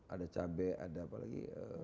ada cabai ada apa lagi